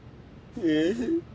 えっ？